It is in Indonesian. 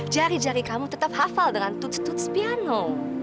jari jari kamu tetap hafal dengan toots tuts piano